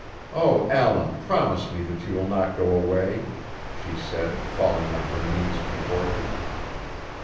O, Allan, promise me that you will not go away," she said, falling on her knees before him.